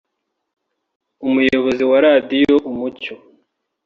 Umuyobozi wa Radiyo Umucyo